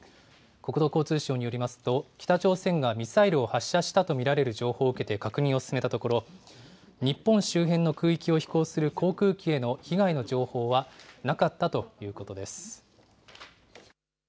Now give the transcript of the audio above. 国土交通省によりますと、北朝鮮がミサイルを発射したと見られる情報を受けて確認を進めたところ、日本周辺の空域を飛行する航空機への被害の情報はなかったということです。